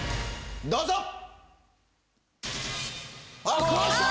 どうぞ！